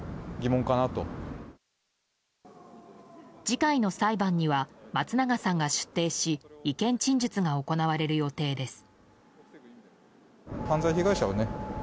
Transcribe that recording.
次回の裁判には松永さんが出廷し意見陳述が行われる予定です。